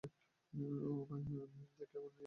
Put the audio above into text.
ওমা, কেমন মেয়ে গো!